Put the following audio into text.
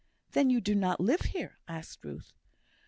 "Then, you do not live here?" asked Ruth.